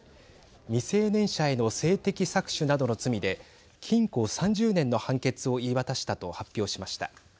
未成年者への性的搾取などの罪で禁錮３０年の判決を言い渡したと発表しました。